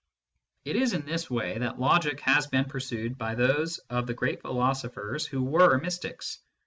It is in this way that logic has been pursued by those of the great philosophers who were mystics.